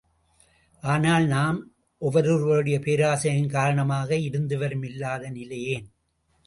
ஆனால் நம் ஒவ்வொருவருடைய பேராசையின் காரணமாக இருந்து வரும் இல்லாத நிலை ஏன்?